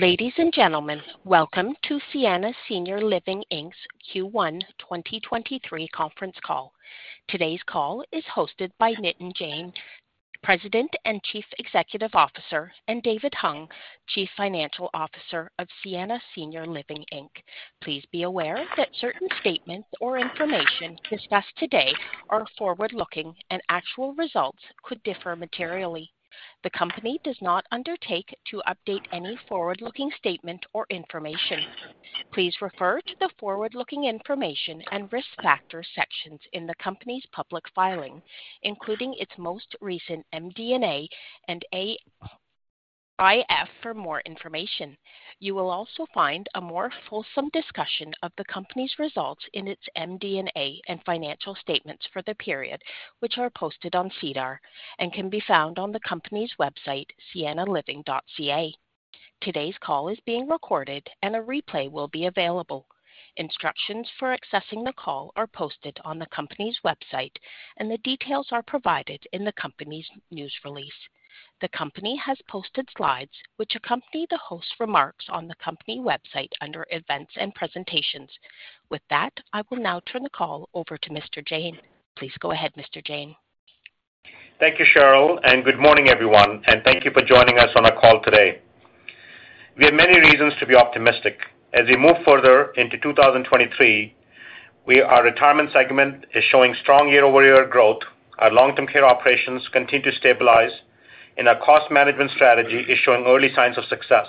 Ladies and gentlemen, welcome to Sienna Senior Living Inc's Q1 2023 conference call. Today's call is hosted by Nitin Jain, President and Chief Executive Officer, and David Hung, Chief Financial Officer of Sienna Senior Living Inc. Please be aware that certain statements or information discussed today are forward-looking and actual results could differ materially. The company does not undertake to update any forward-looking statement or information. Please refer to the forward-looking information and risk factor sections in the company's public filing, including its most recent MD&A and AIF for more information. You will also find a more fulsome discussion of the company's results in its MD&A and financial statements for the period, which are posted on SEDAR and can be found on the company's website, siennaliving.ca. Today's call is being recorded and a replay will be available. Instructions for accessing the call are posted on the company's website. The details are provided in the company's news release. The company has posted slides which accompany the host's remarks on the company website under Events and Presentations. With that, I will now turn the call over to Mr. Jain. Please go ahead, Mr. Jain. Thank you, Cheryl, and good morning, everyone, and thank you for joining us on our call today. We have many reasons to be optimistic. As we move further into 2023, our retirement segment is showing strong year-over-year growth, our long-term care operations continue to stabilize, and our cost management strategy is showing early signs of success.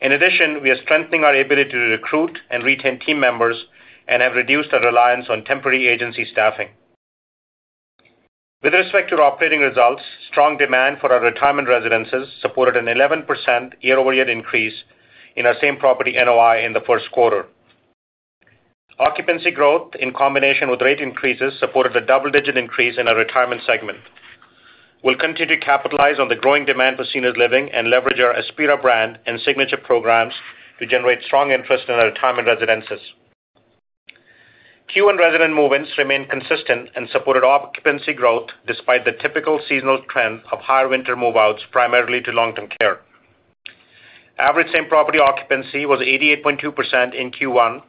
In addition, we are strengthening our ability to recruit and retain team members and have reduced our reliance on temporary agency staffing. With respect to operating results, strong demand for our retirement residences supported an 11% year-over-year increase in our Same Property NOI in the first quarter. Occupancy growth in combination with rate increases supported a double-digit increase in our retirement segment. We'll continue to capitalize on the growing demand for seniors living and leverage our Aspira brand and signature programs to generate strong interest in our retirement residences. Q1 resident move-ins remained consistent and supported occupancy growth despite the typical seasonal trend of higher winter move-outs, primarily to long-term care. Average same-property occupancy was 88.2% in Q1,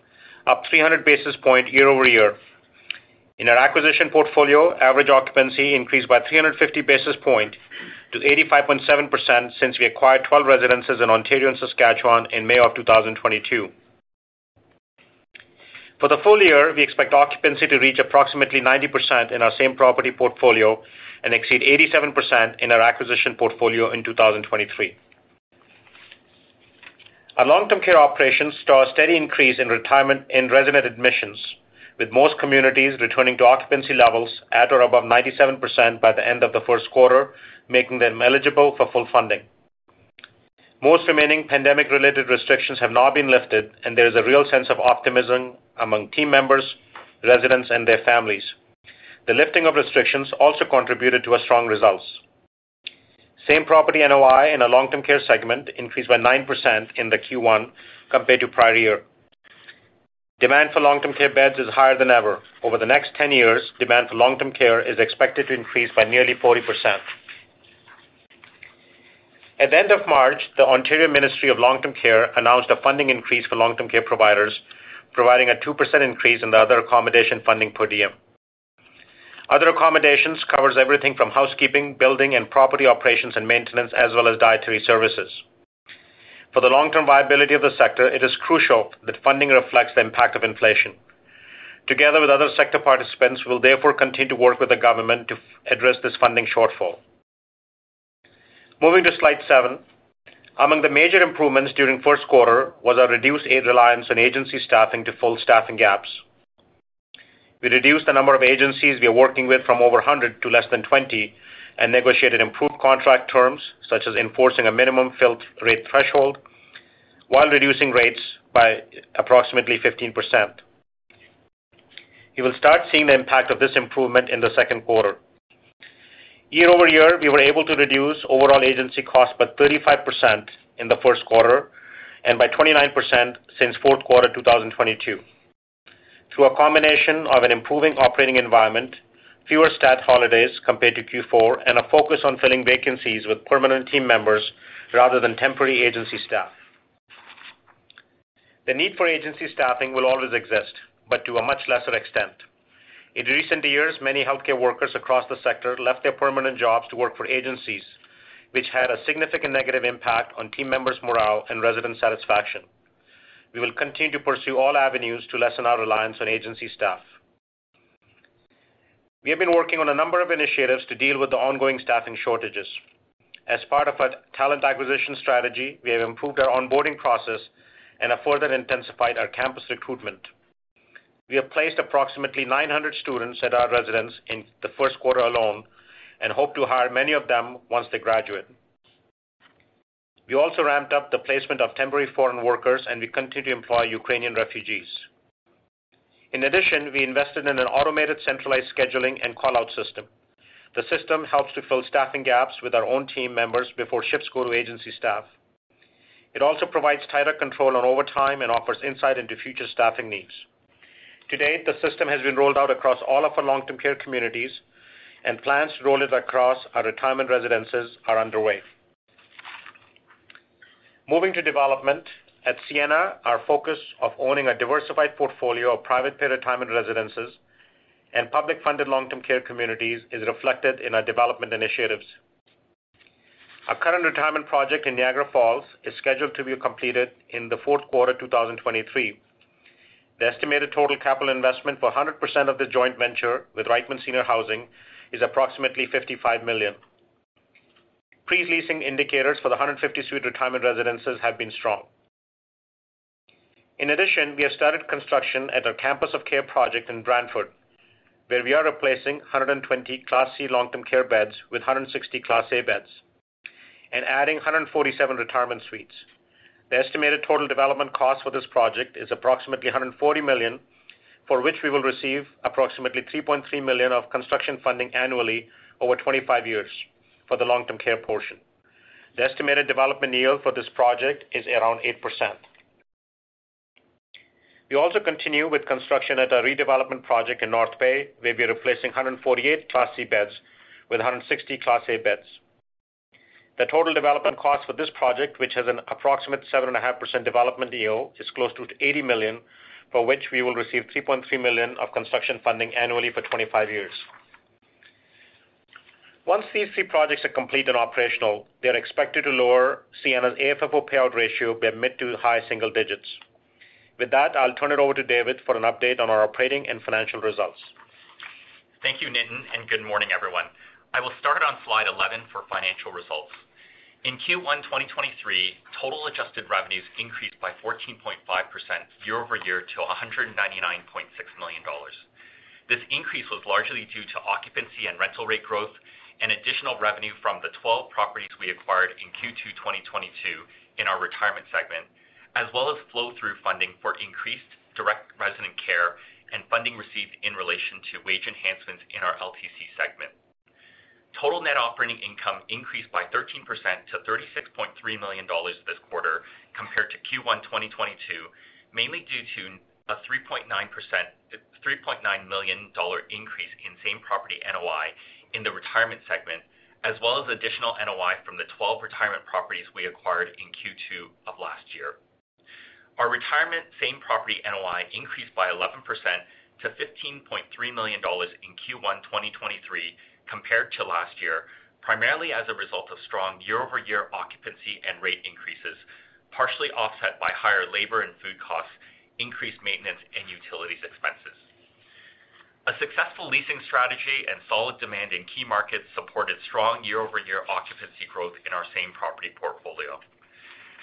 up 300 basis point year-over-year. In our acquisition portfolio, average occupancy increased by 350 basis point to 85.7% since we acquired 12 residences in Ontario and Saskatchewan in May of 2022. For the full year, we expect occupancy to reach approximately 90% in our same property portfolio and exceed 87% in our acquisition portfolio in 2023. Our long-term care operations saw a steady increase in retirement and resident admissions, with most communities returning to occupancy levels at or above 97% by the end of the first quarter, making them eligible for full funding. Most remaining pandemic-related restrictions have now been lifted, and there is a real sense of optimism among team members, residents, and their families. The lifting of restrictions also contributed to our strong results. Same Property NOI in a long-term care segment increased by 9% in the Q1 compared to prior year. Demand for long-term care beds is higher than ever. Over the next 10 years, demand for long-term care is expected to increase by nearly 40%. At the end of March, the Ontario Ministry of Long-Term Care announced a funding increase for long-term care providers, providing a 2% increase in the other accommodation funding per diem. Other accommodations covers everything from housekeeping, building and property operations and maintenance, as well as dietary services. For the long-term viability of the sector, it is crucial that funding reflects the impact of inflation. Together with other sector participants, we'll therefore continue to work with the government to address this funding shortfall. Moving to slide seven. Among the major improvements during first quarter was our reduced aid reliance on agency staffing to full staffing gaps. We reduced the number of agencies we are working with from over 100 to less than 20 and negotiated improved contract terms, such as enforcing a minimum filled rate threshold while reducing rates by approximately 15%. You will start seeing the impact of this improvement in the second quarter. Year-over-year, we were able to reduce overall agency costs by 35% in the first quarter and by 29% since fourth quarter 2022. Through a combination of an improving operating environment, fewer stat holidays compared to Q4, and a focus on filling vacancies with permanent team members rather than temporary agency staff. The need for agency staffing will always exist, but to a much lesser extent. In recent years, many healthcare workers across the sector left their permanent jobs to work for agencies, which had a significant negative impact on team members' morale and resident satisfaction. We will continue to pursue all avenues to lessen our reliance on agency staff. We have been working on a number of initiatives to deal with the ongoing staffing shortages. As part of our talent acquisition strategy, we have improved our onboarding process and have further intensified our campus recruitment. We have placed approximately 900 students at our residence in the first quarter alone and hope to hire many of them once they graduate. We also ramped up the placement of temporary foreign workers, and we continue to employ Ukrainian refugees. In addition, we invested in an automated centralized scheduling and call-out system. The system helps to fill staffing gaps with our own team members before shifts go to agency staff. It also provides tighter control on overtime and offers insight into future staffing needs. To date, the system has been rolled out across all of our long-term care communities, and plans to roll it across our retirement residences are underway. Moving to development. At Sienna, our focus of owning a diversified portfolio of private paid retirement residences and public funded long-term care communities is reflected in our development initiatives. Our current retirement project in Niagara Falls is scheduled to be completed in the fourth quarter 2023. The estimated total capital investment for 100% of the joint venture with Reichmann Seniors Housing is approximately 55 million. Pre-leasing indicators for the 150-suite retirement residences have been strong. In addition, we have started construction at our campus of care project in Brantford, where we are replacing 120 Class C long-term care beds with 160 Class A beds and adding 147 retirement suites. The estimated total development cost for this project is approximately 140 million, for which we will receive approximately 3.3 million of construction funding annually over 25 years for the long-term care portion. The estimated development yield for this project is around 8%. We also continue with construction at our redevelopment project in North Bay, where we're replacing 148 Class C beds with 160 Class A beds. The total development cost for this project, which has an approximate 7.5% development yield, is close to 80 million, for which we will receive 3.3 million of construction funding annually for 25 years. Once these three projects are complete and operational, they are expected to lower Sienna's AFFO payout ratio by mid to high single digits. With that, I'll turn it over to David Hung for an update on our operating and financial results. Thank you, Nitin, and good morning, everyone. I will start on slide 11 for financial results. In Q1 2023, total adjusted revenues increased by 14.5% year-over-year to 199.6 million dollars. This increase was largely due to occupancy and rental rate growth and additional revenue from the 12 properties we acquired in Q2 2022 in our retirement segment, as well as flow-through funding for increased direct resident care and funding received in relation to wage enhancements in our LTC segment. Total net operating income increased by 13% to 36.3 million dollars this quarter compared to Q1 2022, mainly due to a 3.9 million dollar increase in Same Property NOI in the retirement segment, as well as additional NOI from the 12 retirement properties we acquired in Q2 of last year. Our retirement Same Property NOI increased by 11% to 15.3 million dollars in Q1 2023 compared to last year, primarily as a result of strong year-over-year occupancy and rate increases, partially offset by higher labor and food costs, increased maintenance, and utilities expenses. A successful leasing strategy and solid demand in key markets supported strong year-over-year occupancy growth in our Same Property portfolio.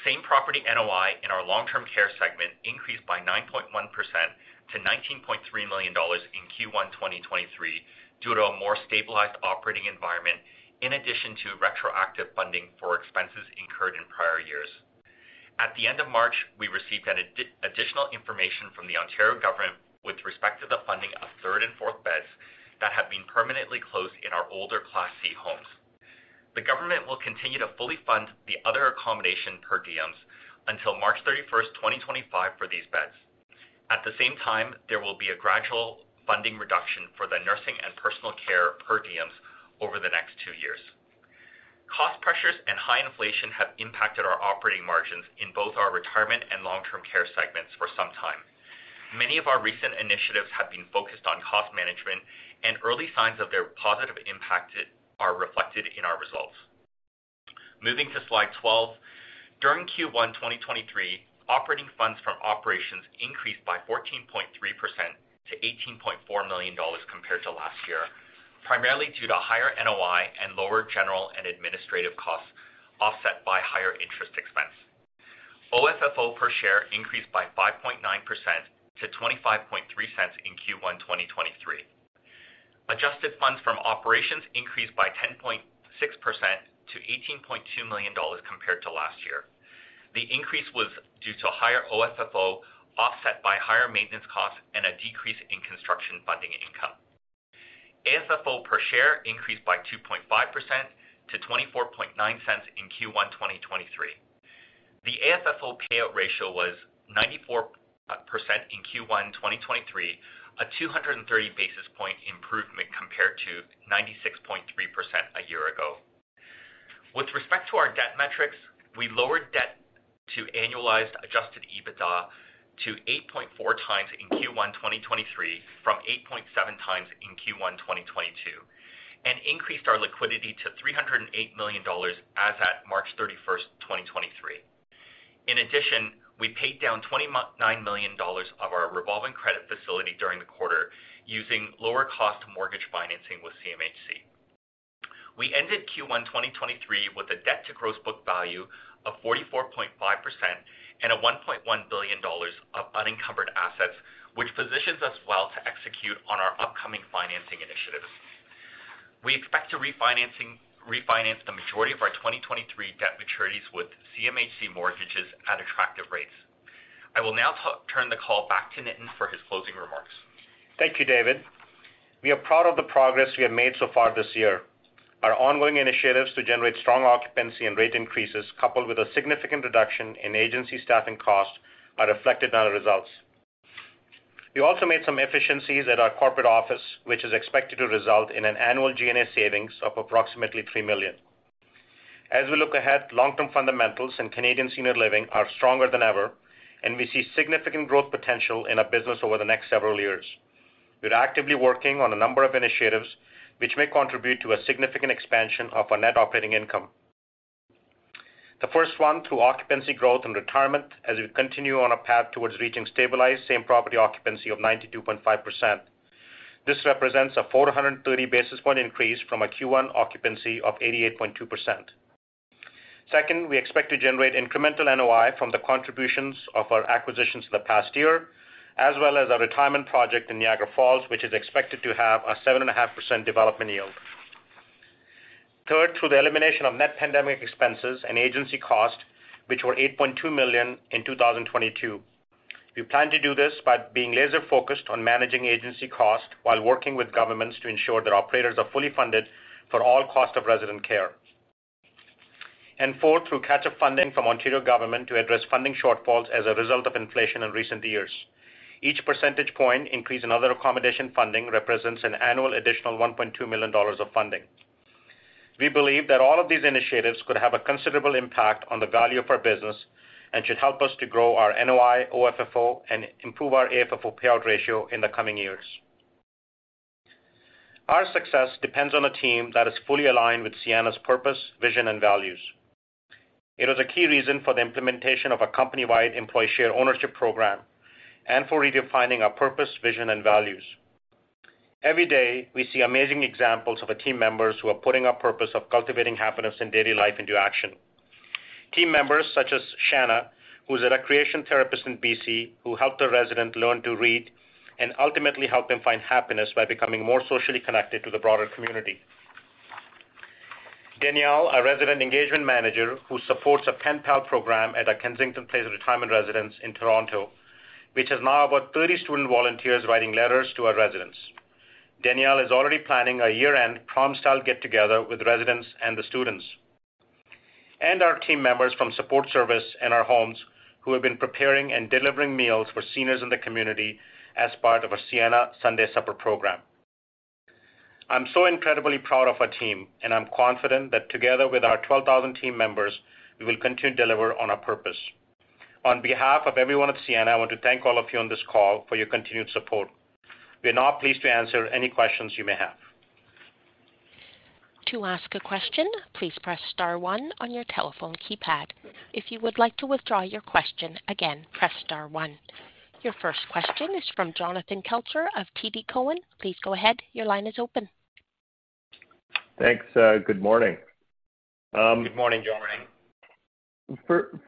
Same Property NOI in our long-term care segment increased by 9.1% to 19.3 million dollars in Q1 2023 due to a more stabilized operating environment in addition to retroactive funding for expenses incurred in prior years. At the end of March, we received additional information from the Ontario government with respect to the funding of third and fourth beds that have been permanently closed in our older Class C homes. The government will continue to fully fund the other accommodation per diems until March 31st, 2025 for these beds. At the same time, there will be a gradual funding reduction for the nursing and personal care per diems over the next two years. Cost pressures and high inflation have impacted our operating margins in both our retirement and long-term care segments for some time. Many of our recent initiatives have been focused on cost management, early signs of their positive impact are reflected in our results. Moving to slide 12. During Q1 2023, Operating Funds from Operations increased by 14.3% to 18.4 million dollars compared to last year, primarily due to higher NOI and lower general and administrative costs offset by higher interest expense. OFFO per share increased by 5.9% to 0.253 in Q1, 2023. Adjusted Funds from Operations increased by 10.6% to 18.2 million dollars compared to last year. The increase was due to higher OFFO offset by higher maintenance costs and a decrease in construction funding income. AFFO per share increased by 2.5% to 0.249 in Q1, 2023. The AFFO payout ratio was 94% in Q1, 2023, a 230 basis point improvement compared to 96.3% a year ago. With respect to our debt metrics, we lowered debt to annualized Adjusted EBITDA to 8.4x in Q1 2023 from 8.7x in Q1 2022, and increased our liquidity to 308 million dollars as at March 31, 2023. In addition, we paid down 9 million dollars of our revolving credit facility during the quarter using lower cost mortgage financing with CMHC. We ended Q1 2023 with a debt to gross book value of 44.5% and a 1.1 billion dollars of unencumbered assets, which positions us well to execute on our upcoming financing initiatives. We expect to refinance the majority of our 2023 debt maturities with CMHC mortgages at attractive rates. I will now turn the call back to Nitin for his closing remarks. Thank you, David. We are proud of the progress we have made so far this year. Our ongoing initiatives to generate strong occupancy and rate increases, coupled with a significant reduction in agency staffing costs, are reflected in our results. We also made some efficiencies at our corporate office, which is expected to result in an annual G&A savings of approximately 3 million. As we look ahead, long-term fundamentals in Canadian senior living are stronger than ever, and we see significant growth potential in our business over the next several years. We're actively working on a number of initiatives which may contribute to a significant expansion of our net operating income. The first one, through occupancy growth and retirement as we continue on a path towards reaching stabilized same-property occupancy of 92.5%. This represents a 430 basis point increase from a Q1 occupancy of 88.2%. Second, we expect to generate incremental NOI from the contributions of our acquisitions in the past year, as well as our retirement project in Niagara Falls, which is expected to have a 7.5% development yield. Third, through the elimination of net pandemic expenses and agency cost, which were 8.2 million in 2022. We plan to do this by being laser-focused on managing agency cost while working with governments to ensure that operators are fully funded for all costs of resident care. Fourth, through catch-up funding from Ontario government to address funding shortfalls as a result of inflation in recent years. Each percentage point increase in other accommodation funding represents an annual additional 1.2 million dollars of funding. We believe that all of these initiatives could have a considerable impact on the value of our business and should help us to grow our NOI, OFFO, and improve our AFFO payout ratio in the coming years. Our success depends on a team that is fully aligned with Sienna's purpose, vision, and values. It was a key reason for the implementation of a company-wide employee share ownership program and for redefining our purpose, vision, and values. Every day, we see amazing examples of the team members who are putting our purpose of cultivating happiness in daily life into action. Team members such as Shanna, who's a recreation therapist in BC who helped a resident learn to read and ultimately helped them find happiness by becoming more socially connected to the broader community. Danielle, a resident engagement manager who supports a pen pal program at our Kensington Place Retirement Residence in Toronto, which has now over 30 student volunteers writing letters to our residents. Danielle is already planning a year-end prom style get-together with residents and the students. Our team members from support service in our homes who have been preparing and delivering meals for seniors in the community as part of our Sienna Sunday Supper program. I'm so incredibly proud of our team, and I'm confident that together with our 12,000 team members, we will continue to deliver on our purpose. On behalf of everyone at Sienna, I want to thank all of you on this call for your continued support. We are now pleased to answer any questions you may have. To ask a question, please press star one on your telephone keypad. If you would like to withdraw your question, again, press star one. Your first question is from Jonathan Kelcher of TD Securities. Please go ahead. Your line is open. Thanks. Good morning. Good morning, Jonathan.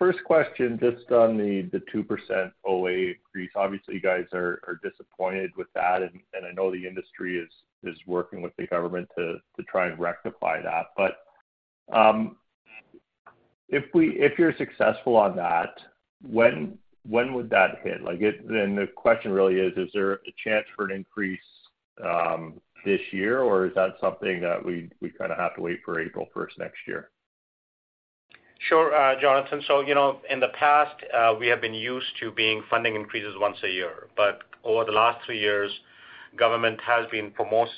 First question, just on the 2% OA increase. Obviously, you guys are disappointed with that, and I know the industry is working with the government to try and rectify that. If you're successful on that, when would that hit? Then the question really is there a chance for an increase this year, or is that something that we kinda have to wait for April 1st next year? Sure, Jonathan. You know, in the past, we have been used to being funding increases once a year. Over the last three years, government has been, for most,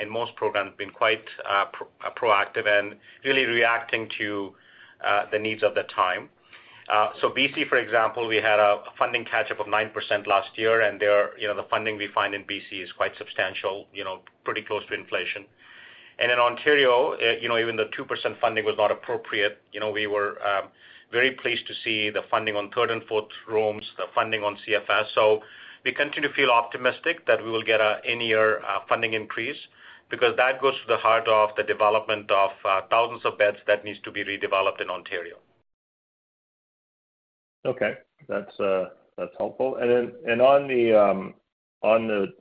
in most programs, been quite proactive and really reacting to the needs of the time. BC, for example, we had a funding catch-up of 9% last year, and there, you know, the funding we find in BC is quite substantial, you know, pretty close to inflation. In Ontario, you know, even the 2% funding was not appropriate. You know, we were very pleased to see the funding on third and fourth rooms, the funding on CFS. We continue to feel optimistic that we will get a in-year funding increase because that goes to the heart of the development of thousands of beds that needs to be redeveloped in Ontario. Okay. That's helpful. On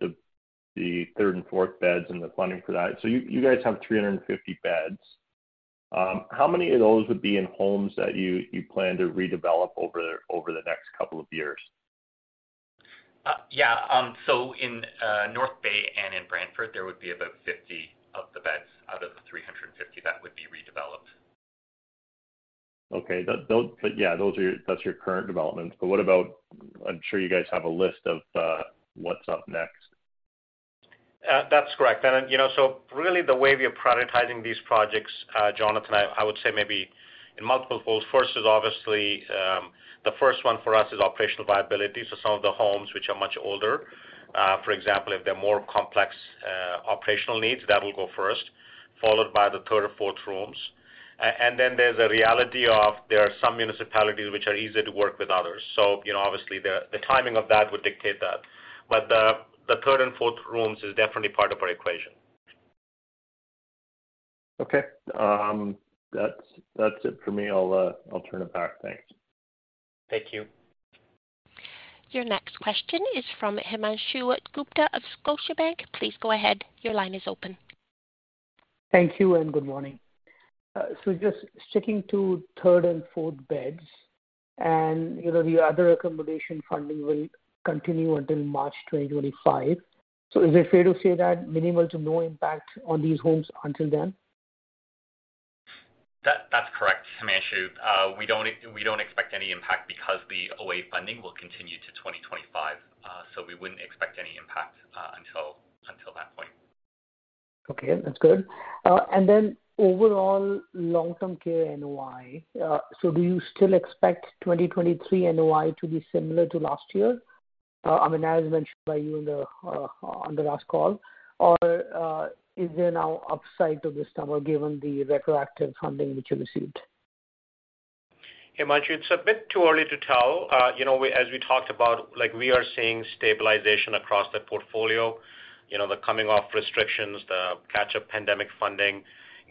the third and fourth beds and the funding for that, you guys have 350 beds. How many of those would be in homes that you plan to redevelop over the next couple of years? Yeah. In North Bay and in Brantford, there would be about 50 of the beds out of the 350 that would be redeveloped. Okay. Yeah, that's your current developments. What about, I'm sure you guys have a list of, what's up next? That's correct. You know, really the way we are prioritizing these projects, Jonathan, I would say maybe in multiple folds. First is obviously, the first one for us is operational viability. Some of the homes which are much older, for example, if they're more complex, operational needs, that will go first, followed by the third or fourth rooms. Then there's a reality of there are some municipalities which are easier to work with others. You know, obviously the timing of that would dictate that. The third and fourth rooms is definitely part of our equation. Okay. That's it for me. I'll turn it back. Thanks. Thank you. Your next question is from Himanshu Gupta of Scotiabank. Please go ahead. Your line is open. Thank you and good morning. Just sticking to third and fourth beds and, you know, the other accommodation funding will continue until March 2025. Is it fair to say that minimal to no impact on these homes until then? That's correct, Himanshu. We don't expect any impact because the OA funding will continue to 2025. We wouldn't expect any impact until that point. Okay, that's good. overall Long-Term Care NOI, do you still expect 2023 NOI to be similar to last year? I mean, as mentioned by you in the on the last call, is there now upside to this number given the retroactive funding which you received? Himanshu, it's a bit too early to tell. You know, as we talked about, like, we are seeing stabilization across the portfolio. You know, the coming off restrictions, the catch-up pandemic funding,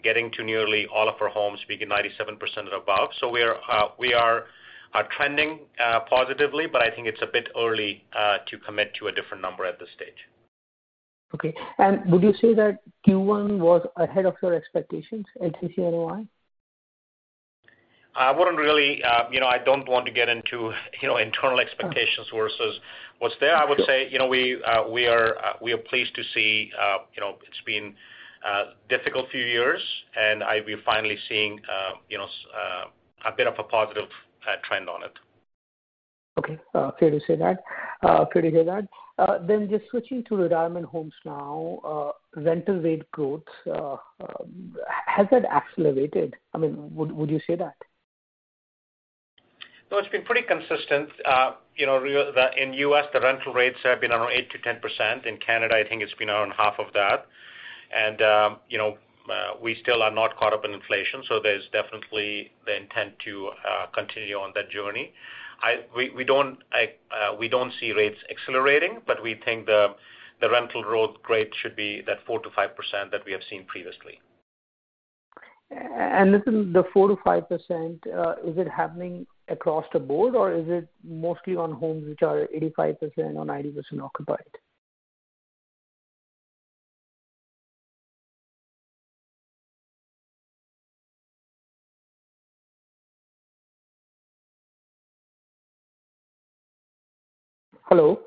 getting to nearly all of our homes, speaking 97% or above. We are trending positively, but I think it's a bit early to commit to a different number at this stage. Okay. Would you say that Q1 was ahead of your expectations at CCNOI? I wouldn't really... you know, I don't want to get into, you know, internal expectations versus what's there. I would say, you know, we are pleased to see, you know, it's been difficult few years, and we're finally seeing, you know, a bit of a positive trend on it. Okay. Fair to say that. Fair to hear that. Just switching to retirement homes now. Rental rate growth, has that accelerated? I mean, would you say that? No, it's been pretty consistent. you know, In U.S., the rental rates have been around 8%-10%. In Canada, I think it's been around half of that. We still are not caught up in inflation, so there's definitely the intent to continue on that journey. We don't see rates accelerating, but we think the rental growth rate should be that 4%-5% that we have seen previously. Listen, the 4%-5%, is it happening across the board or is it mostly on homes which are 85% or 90% occupied? Hello?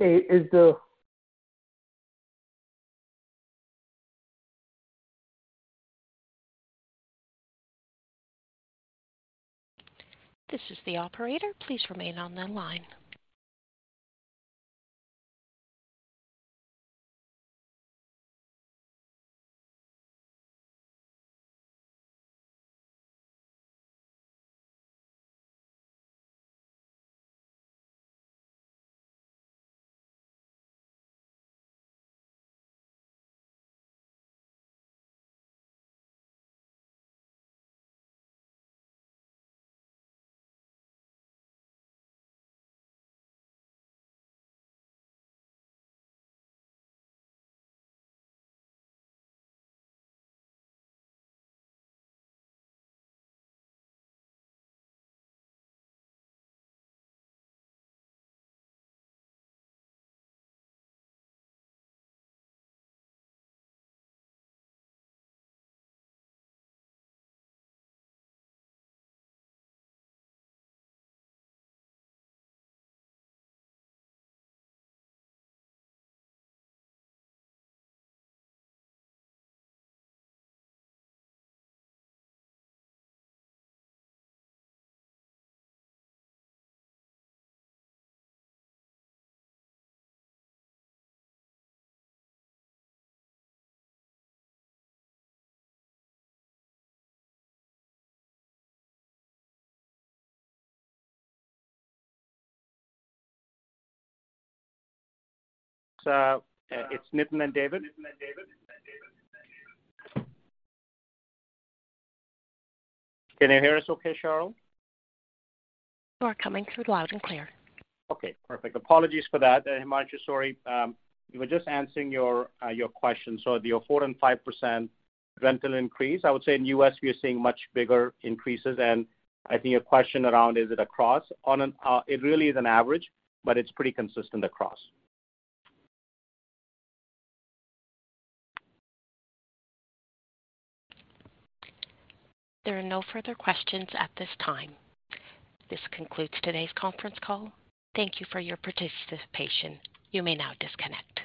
Okay. This is the operator. Please remain on the line. It's Nitin and David. Can you hear us okay, Cheryl? You are coming through loud and clear. Okay, perfect. Apologies for that, Himanshu. Sorry. we were just answering your question. The 4% and 5% rental increase, I would say in U.S. we are seeing much bigger increases. I think your question around is it across, it really is an average, but it's pretty consistent across. There are no further questions at this time. This concludes today's conference call. Thank you for your participation. You may now disconnect.